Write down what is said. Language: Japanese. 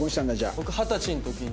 僕二十歳の時に。